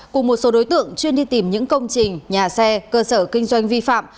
cùng một số đối tượng chuyên đi tìm những công trình nhà xe cơ sở kinh doanh vi phạm